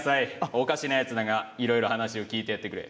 おかしなやつだがいろいろ話を聞いてやってくれ。